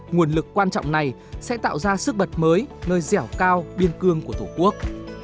nguồn lực quan trọng này sẽ tạo ra sức bật mới nơi dẻo cao biên cương của tổ quốc